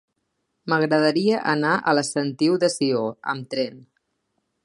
M'agradaria anar a la Sentiu de Sió amb tren.